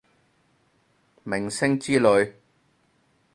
明星之類